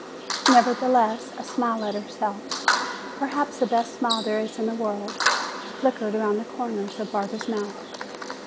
Nevertheless, a smile at herself, perhaps the best smile there is in the world, flickered around the corners of Barbara's mouth.